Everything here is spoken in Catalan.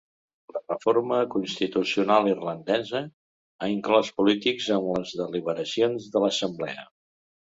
La reforma constitucional irlandesa ha inclòs polítics en les deliberacions de l’assemblea.